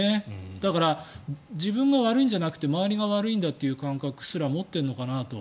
だから、自分が悪いんじゃなくて周りが悪いんだという感覚すら持っているのかなと。